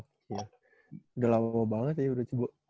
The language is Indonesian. udah lama banget ya udah coba